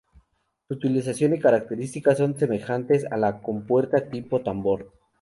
Su utilización y características son semejantes a la compuerta tipo tambor.